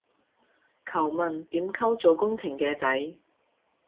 求問點溝做工程嘅仔